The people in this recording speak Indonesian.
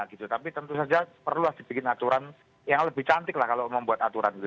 gitu tapi tentu saja perlulah dibikin aturan yang lebih cantik lah kalau membuat aturan itu